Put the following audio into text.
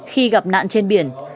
khi gặp nạn trên biển